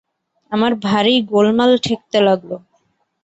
আমার ভারি গোলমাল ঠেকতে লাগল।